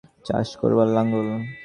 চাষ করবার লাঙ্গল।